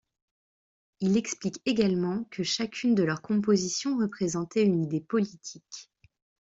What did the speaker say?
Il explique également que chacune de leur composition représentait une idée politique.